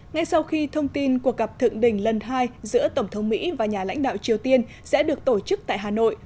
ngay sau khi thông tin cuộc gặp thượng đỉnh lần hai giữa tổng thống mỹ và nhà lãnh đạo triều tiên sẽ được tổ chức tại hà nội